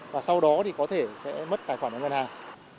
và sau đó thì có thể sẽ mất tài khoản của ngân hàng